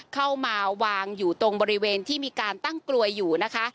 เข้ามาวางอยู่ตรงบริเวณที่มีการตั้งกลวยอยู่นะคะ